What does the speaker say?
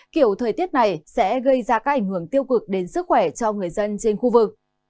kiểu thời tiết này sẽ gây ra các ảnh hưởng tiêu cực đến sức khỏe cho người dân trên khu vực